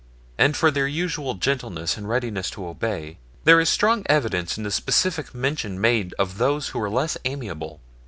And for their usual gentle ness and readiness to obey, there is strong evidence in the specific mention made of those who were less amenable.